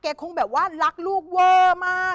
คงแบบว่ารักลูกเวอร์มาก